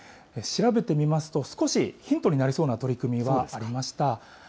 調べてみますと、少しヒントになりそうな取り組みはありました。